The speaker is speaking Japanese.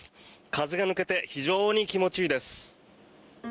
風が抜けて非常に気持ちいいです。